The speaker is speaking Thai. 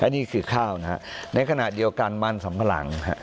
นี่คือข้าวนะฮะในขณะเดียวกันมันสำปะหลัง